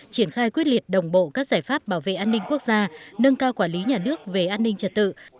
triển khai quyết liệt đồng bộ các giải pháp bảo vệ an ninh quốc gia nâng cao quản lý nhà nước về an ninh trật tự